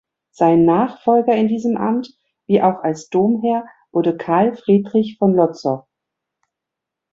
Sein Nachfolger in diesem Amt wie auch als Domherr wurde Carl Friedrich von Lowtzow.